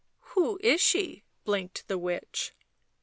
" Who is she?" blinked the witch.